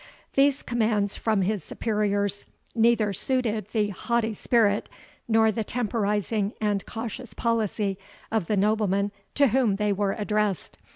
These commands from his superiors neither suited the haughty spirit, nor the temporizing and cautious policy, of the nobleman to whom they were addressed.